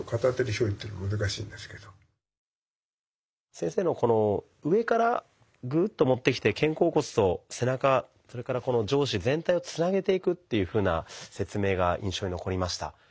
先生のこの上からグッと持ってきて肩甲骨と背中それからこの上肢全体をつなげていくというふうな説明が印象に残りました。